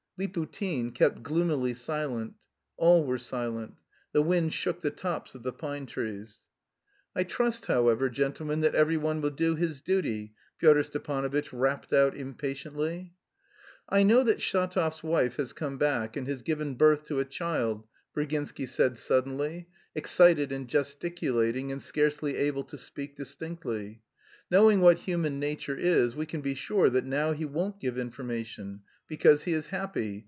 Liputin kept gloomily silent. All were silent. The wind shook the tops of the pine trees. "I trust, however, gentlemen, that every one will do his duty," Pyotr Stepanovitch rapped out impatiently. "I know that Shatov's wife has come back and has given birth to a child," Virginsky said suddenly, excited and gesticulating and scarcely able to speak distinctly. "Knowing what human nature is, we can be sure that now he won't give information... because he is happy....